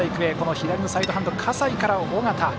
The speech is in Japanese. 左のサイドハンド、葛西から尾形。